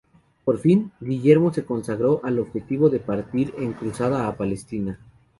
Por fin, Guillermo se consagró al objetivo de partir en cruzada a Palestina.